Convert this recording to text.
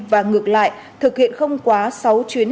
và ngược lại thực hiện không quá sáu chuyến